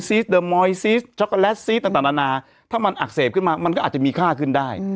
สเดอร์มอยซีสช็อกโกแลตซีสต่างนานาถ้ามันอักเสบขึ้นมามันก็อาจจะมีค่าขึ้นได้